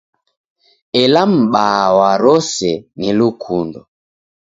Ela m'baa wa rose, ni lukundo.